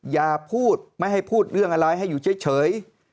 อย่าพูดไม่ให้พูดเรื่องอะไรให้อยู่เฉย